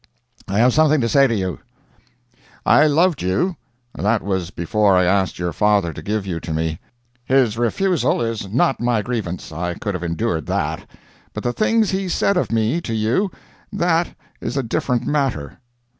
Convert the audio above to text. I have something to say to you. I loved you. That was before I asked your father to give you to me. His refusal is not my grievance I could have endured that. But the things he said of me to you that is a different matter.